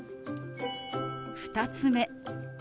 ２つ目。